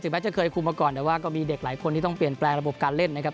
แม้จะเคยคุมมาก่อนแต่ว่าก็มีเด็กหลายคนที่ต้องเปลี่ยนแปลงระบบการเล่นนะครับ